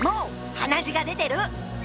鼻血が出てる！